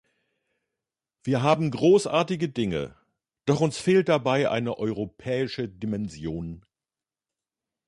Wir haben großartige Dinge, doch uns fehlt dabei eine europäische Dimension.